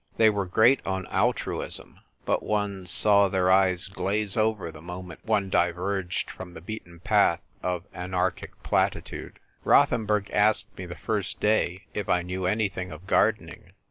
They were great on altruism ; but one saw their eyes glaze over the moment one diverged from the beaten path of anarchic platitude. Rothenburg asked me the first day if I knew anything of gardening.